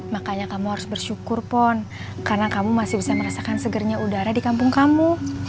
makanya kamu harus bersyukur pon karena kamu masih bisa merasakan segernya udara di kampung kamu